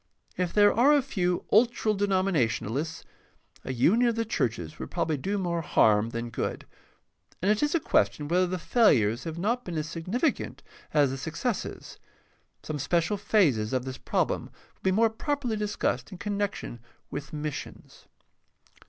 If there are a few ultra denominationalists, a union of the churches would probably do more harm than good, and it is a question whether the failures have not been as significant as the successes. Some special phases of this problem will be more properly discussed in connection with missions.